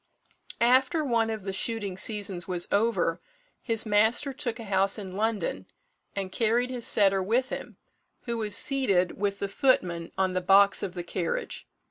After one of the shooting seasons was over, his master took a house in London, and carried his setter with him, who was seated with the footman on the box of the carriage.